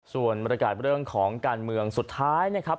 ส่วนบรรยากาศเรื่องของการเมืองสุดท้ายนะครับ